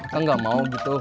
kan enggak mau gitu